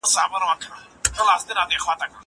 دا سیر له هغه ښه دی!